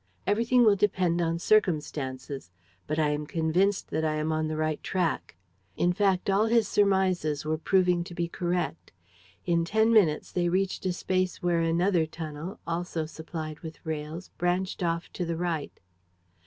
Everything will depend on circumstances; but I am convinced that I am on the right track." In fact all his surmises were proving to be correct. In ten minutes they reached a space where another tunnel, also supplied with rails, branched off to the right.